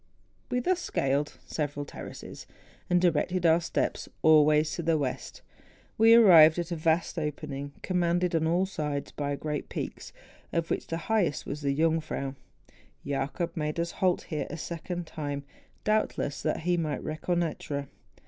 We thus scaled several terraces, and directing our steps always to the west, we arrived at a vast opening, commanded on all sides by great peaks, of which the highest was the Jungfrau. Jacob made us halt here a second time, doubtless that he might reconnoitre.